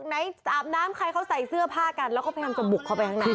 ไหนอาบน้ำใครเขาใส่เสื้อผ้ากันแล้วก็พยายามจะบุกเข้าไปข้างใน